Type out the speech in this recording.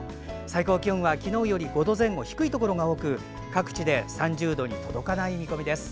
最高気温は昨日より５度前後低いところが多く各地で３０度に届かない見込みです。